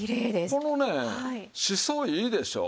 このねしそいいでしょう。